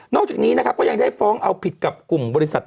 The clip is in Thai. จากนี้นะครับก็ยังได้ฟ้องเอาผิดกับกลุ่มบริษัท